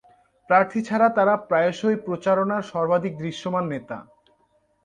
প্রার্থী ছাড়া তারা প্রায়শই প্রচারণার সর্বাধিক দৃশ্যমান নেতা।